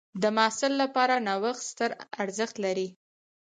د محصل لپاره نوښت ستر ارزښت لري.